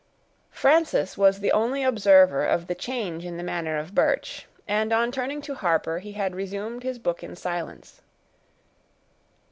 Frances was the only observer of the change in the manner of Birch, and, on turning to Harper, he had resumed his book in silence.